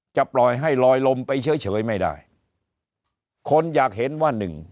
ปล่อยให้ลอยลมไปเฉยเฉยไม่ได้คนอยากเห็นว่าหนึ่ง